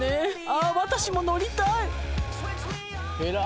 あ私も乗りたい！」